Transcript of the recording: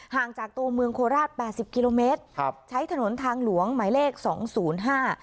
ห่างจากตัวเมืองโคราชแปดสิบกิโลเมตรครับใช้ถนนทางหลวงหมายเลขสองศูนย์ห้า